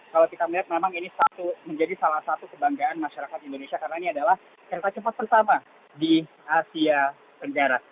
kalau kita melihat memang ini menjadi salah satu kebanggaan masyarakat indonesia karena ini adalah kereta cepat pertama di asia tenggara